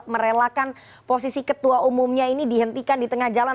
merelakan posisi ketua umumnya ini dihentikan di tengah jalan